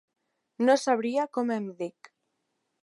No sabria com em dic.